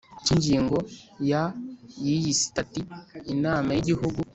Cy ingingo ya y iyi sitati inama y igihugu